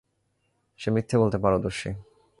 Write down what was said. সে মিথ্যা বলতে পারদর্শী।